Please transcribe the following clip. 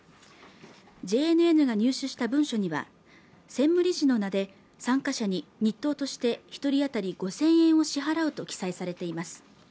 ＪＮＮが入手した文書には、専務理事の名で、参加者に日当として１人当たり５０００円を支払うと記載されています。